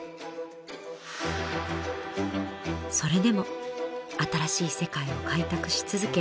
それでも新しい世界を開拓し続け